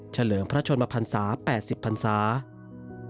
เฉลิงพระชนมภัณฑ์ศาสตร์แปดสิบพันธ์ศาสตร์